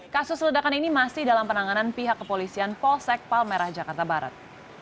kasus ledakan ini masih dalam penanganan pihak kepolisian polsek palmerah jakarta barat